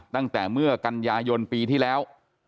ตั้งแต่เมื่อกันยายนปีที่แล้ว